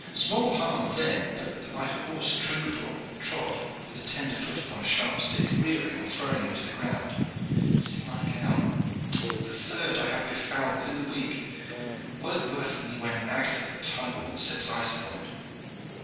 Small harm then, but that my horse Troubadour trod with a tender foot upon a sharp stick, rearing and throwing me to the ground. See to my gown, the third that I have befouled within the week. Woe worth me when Agatha the tire woman sets eyes upon it!"